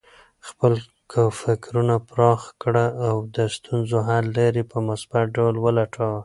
خپل فکرونه پراخه کړه او د ستونزو حل لارې په مثبت ډول ولټوه.